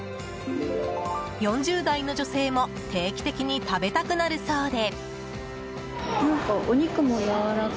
４０代の女性も定期的に食べたくなるそうで。